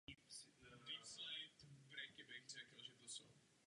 Servo motor